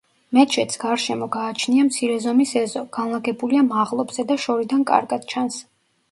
მეჩეთს გარშემო გააჩნია მცირე ზომის ეზო, განლაგებულია მაღლობზე და შორიდან კარგად ჩანს.